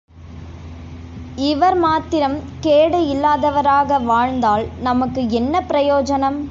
இவர் மாத்திரம் கேடு இல்லாதவராக வாழ்ந்தால் நமக்கு என்ன பிரயோஜனம்?